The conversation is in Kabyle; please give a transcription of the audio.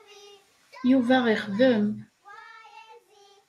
Yuba ixdem.